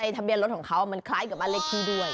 ทะเบียนรถของเขามันคล้ายกับบ้านเลขที่ด้วย